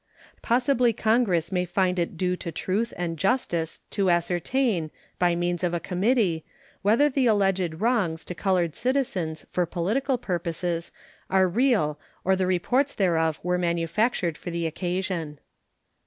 Possibly Congress may find it due to truth and justice to ascertain, by means of a committee, whether the alleged wrongs to colored citizens for political purposes are real or the reports thereof were manufactured for the occasion.